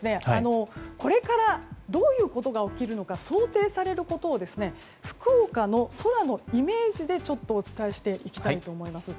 これからどういうことが起きるのか想定されることを福岡の空のイメージでお伝えしていきたいと思います。